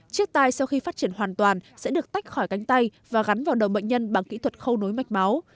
chiếc tay sau khi phát triển hoàn toàn sẽ được tách khỏi cánh tay và gắn vào đầu bệnh nhân bằng kỹ thuật khâu nối mạch máu